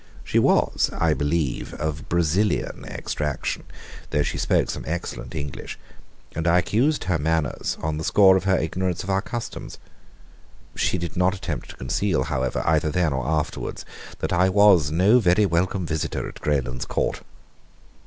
She was, I believe, of Brazilian extraction, though she spoke excellent English, and I excused her manners on the score of her ignorance of our customs. She did not attempt to conceal, however, either then or afterwards, that I was no very welcome visitor at Greylands Court.